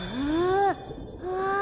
うわ！